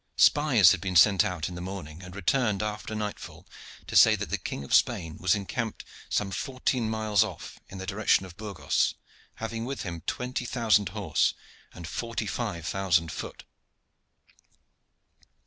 Spies had been sent out in the morning, and returned after nightfall to say that the King of Spain was encamped some fourteen miles off in the direction of Burgos, having with him twenty thousand horse and forty five thousand foot.